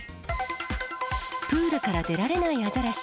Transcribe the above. プールから出られないアザラシ。